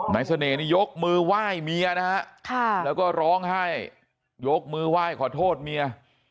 เสน่ห์นี่ยกมือไหว้เมียนะฮะแล้วก็ร้องไห้ยกมือไหว้ขอโทษเมีย